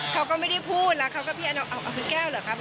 พี่แอนไม่ได้พูดแล้วเค้าก็พี่แอนเอาคือแก้วเหรอคะ